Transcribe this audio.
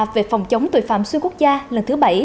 về phòng chống tội phạm xuyên quốc gia lần thứ bảy